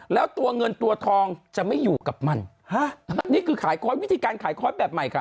แล้วตัวเงินตัวทองจะไม่อยู่กับมันฮะนี่คือขายคอร์สวิธีการขายคอร์สแบบใหม่ค่ะ